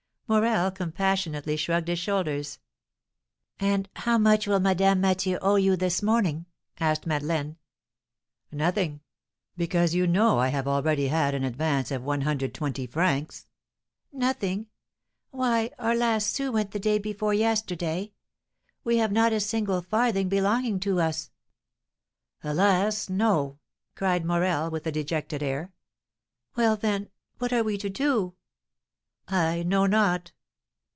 '" Morel compassionately shrugged his shoulders. "And how much will Madame Mathieu owe you this morning?" asked Madeleine. "Nothing; because you know I have already had an advance of 120 francs." "Nothing! Why, our last sou went the day before yesterday. We have not a single farthing belonging to us!" "Alas, no!" cried Morel, with a dejected air. "Well, then, what are we to do?" "I know not."